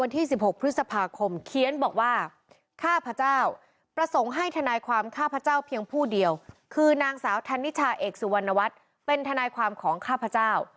ธนิชาเอกสุวรรณวัฒน์เป็นธนายความของข้าพเจ้า